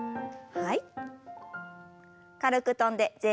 はい。